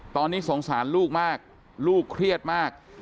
ตอนนี้สงสารลูกมากลูกเครียดมาก